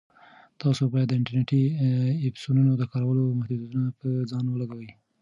تاسو باید د انټرنیټي ایپسونو د کارولو محدودیتونه په ځان ولګوئ.